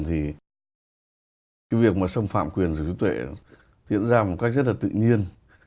thì việc xâm phạm quyền sở hữu trí tuệ hiện ra một cách rất là tự nhiên